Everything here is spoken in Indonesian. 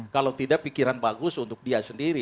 kalau tidak pikiran bagus untuk dia sendiri